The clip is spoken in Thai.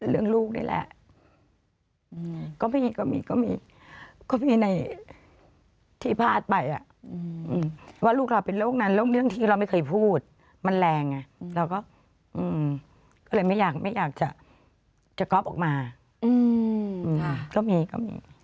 เรื่องลูกนี่แหละก็มีก็มีก็มีก็มีในที่พลาดไปอะว่าลูกเราเป็นโรคนั้นโรคเรื่องที่เราไม่เคยพูดมันแรงอะเราก็ก็เลยไม่อยากจะก๊อบออกมาก็มีก็มี